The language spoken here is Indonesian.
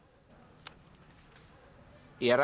eh parfil terbaik anda banjir va